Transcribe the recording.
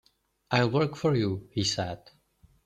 "I'll work for you," he said.